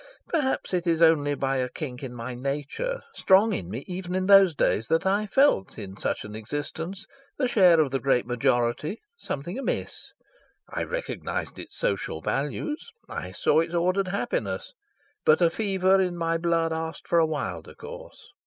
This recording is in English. Perhaps it is only by a kink in my nature, strong in me even in those days, that I felt in such an existence, the share of the great majority, something amiss. I recognised its social values, I saw its ordered happiness, but a fever in my blood asked for a wilder course.